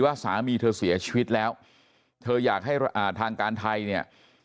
สามีเธอเสียชีวิตแล้วเธออยากให้ทางการไทยเนี่ย